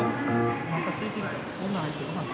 おなかすいてきた。